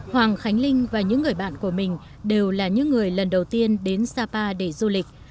hoàng khánh linh và những người bạn của mình đều là những người lần đầu tiên đến sapa để du lịch